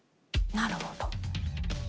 なるほど。